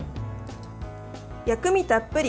薬味たっぷり！